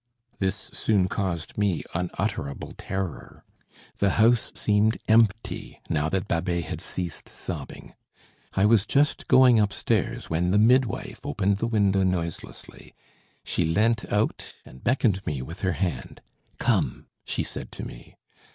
This soon caused me unutterable terror. The house seemed empty, now that Babet had ceased sobbing. I was just going upstairs, when the midwife opened the window noiselessly. She leant out and beckoned me with her hand: "Come," she said to me.